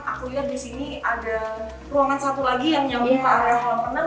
aku lihat di sini ada ruangan satu lagi yang nyambung ke area halaman